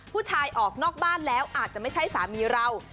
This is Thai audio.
ผู้ชายออกนอกบ้านแล้วอาจจะไม่ใช่สามีเรา